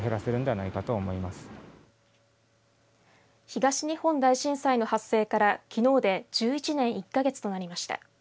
東日本大震災の発生からきのうで１１年１か月となりました。